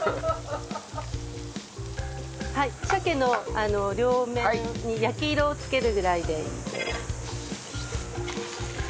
はい鮭の両面に焼き色をつけるぐらいで。